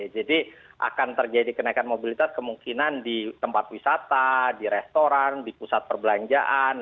jadi akan terjadi kenaikan mobilitas kemungkinan di tempat wisata di restoran di pusat perbelanjaan